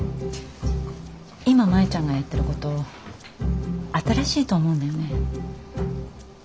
今舞ちゃんがやってること新しいと思うんだよね。